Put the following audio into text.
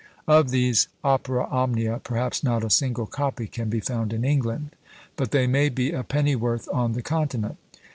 Of these "Opera omnia" perhaps not a single copy can be found in England; but they may be a pennyworth on the continent.